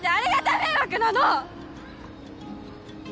迷惑なの！